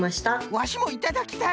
ワシもいただきたい！